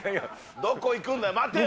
どこ行くんだよ、待てよ。